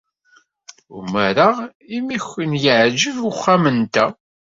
Umareɣ imi ay k-yeɛjeb uxxam-nteɣ.